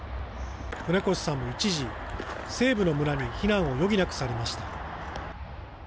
船越さんも一時、西部の村に避難を余儀なくされました。